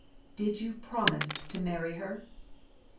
" Did you promise to marry her